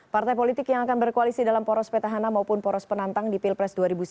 partai politik yang akan berkoalisi dalam poros petahana maupun poros penantang di pilpres dua ribu sembilan belas